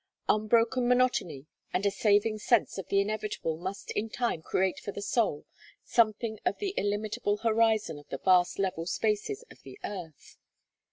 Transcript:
Unbroken monotony and a saving sense of the inevitable must in time create for the soul something of the illimitable horizon of the vast level spaces of the earth.